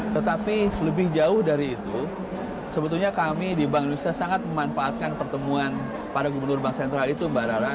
tetapi lebih jauh dari itu sebetulnya kami di bank indonesia sangat memanfaatkan pertemuan para gubernur bank sentral itu mbak rara